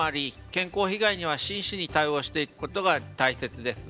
健康被害には真摯に対応していくことが大切です。